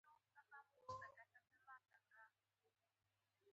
په نړیوالو کنفرانسونو کې پښتو نه کارول کېږي.